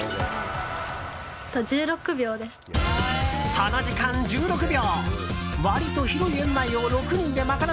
その時間、１６秒！